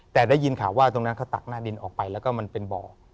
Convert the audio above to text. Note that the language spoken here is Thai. แต่ได้ยินข่าวว่าตรงนั้นเขาตักหน้าดินออกไปแล้วก็มันเป็นบ่อ